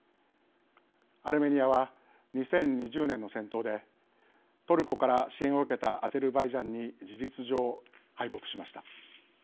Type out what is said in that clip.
アルメニアは２０２０年の戦闘でトルコから支援を受けたアゼルバイジャンに事実上敗北しました。